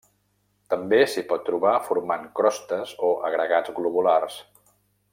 També s'hi pot trobar formant crostes o agregats globulars.